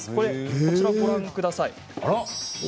こちらを見てください。